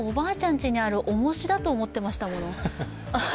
家にあるおもしだと思ってましたもん。